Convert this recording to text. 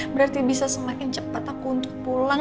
berarti bisa semakin cepat aku untuk pulang